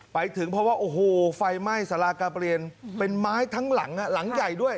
ไปถึงเพราะว่าโอ้โหไฟไหม้สารากาเปลี่ยนเป็นไม้ทั้งหลังหลังใหญ่ด้วย